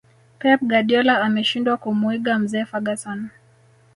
pep guardiola ameshindwa kumuiga mzee ferguson